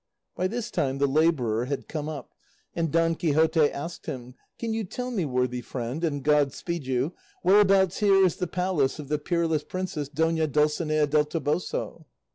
By this time the labourer had come up, and Don Quixote asked him, "Can you tell me, worthy friend, and God speed you, whereabouts here is the palace of the peerless princess Dona Dulcinea del Toboso?"